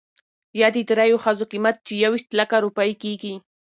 يا د درېو ښځو قيمت، چې يويشت لکه روپۍ کېږي .